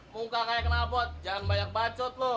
muka kayak kenapot jangan banyak bacot lo